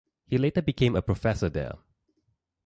He later became a professor there.